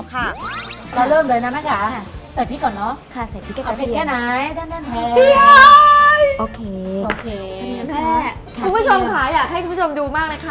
คุณผู้ชมค่ะอยากให้คุณผู้ชมดูมากเลยค่ะ